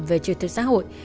về truyền thức xã hội